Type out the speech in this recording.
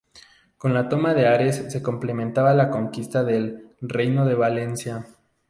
Con la toma de Ares se completaba la conquista del Reino de Valencia.